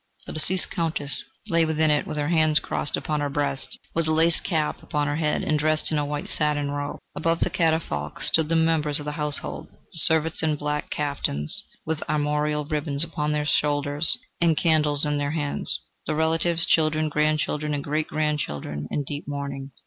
The deceased Countess lay within it, with her hands crossed upon her breast, with a lace cap upon her head and dressed in a white satin robe. Around the catafalque stood the members of her household: the servants in black caftans, with armorial ribbons upon their shoulders, and candles in their hands; the relatives children, grandchildren, and great grandchildren in deep mourning.